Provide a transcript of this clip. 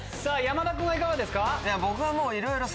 山田君はいかがですか？